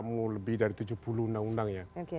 mau lebih dari tujuh puluh undang undang ya